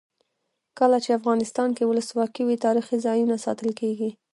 کله چې افغانستان کې ولسواکي وي تاریخي ځایونه ساتل کیږي.